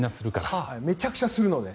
めちゃくちゃするので。